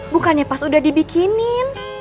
bukannya pas udah dibikinin